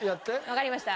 わかりました。